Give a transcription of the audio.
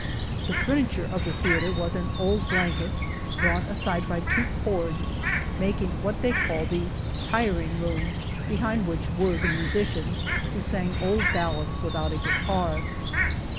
... The furniture of the theatre was an old blanket, drawn aside by two cords, mak ing what they call the tiring room, behind which were the musicians, who sang old bal lads without a guitar."